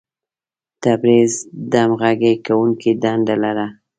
تبریز د همغږي کوونکي دنده لرله.